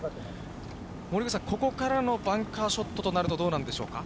森口さん、ここからのバンカーショットとなると、どうなんでしょうか。